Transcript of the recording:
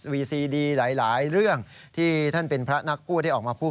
วีซีดีหลายเรื่องที่ท่านเป็นพระนักพูดได้ออกมาพูด